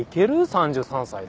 ３３歳で？